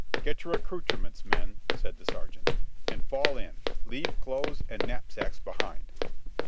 •'Get your accoutrements, men," said the sergeant, "and fall in ! leave clothes and knapsacks behind